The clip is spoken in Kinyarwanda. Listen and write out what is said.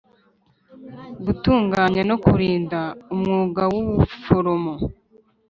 gutunganya no kurinda umwuga w ubuforomo